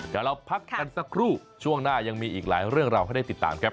เดี๋ยวเราพักกันสักครู่ช่วงหน้ายังมีอีกหลายเรื่องราวให้ได้ติดตามครับ